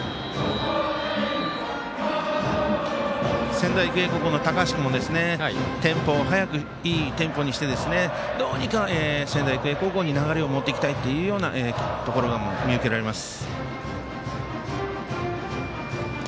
仙台育英高校の高橋君もテンポを速く、いいテンポにしてどうにか仙台育英高校に流れを持っていきたいというところが見受けられます。